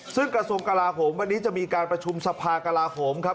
ซึ่งกระทรวงกลาโหมวันนี้จะมีการประชุมสภากลาโหมครับ